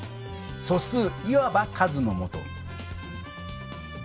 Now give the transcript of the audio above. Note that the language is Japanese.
「素数」いわば数のもと。